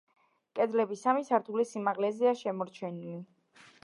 კედლები სამი სართულის სიმაღლეზეა შემორჩენილი.